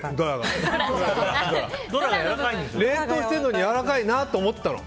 冷凍してるのにやわらかいなと思ったの。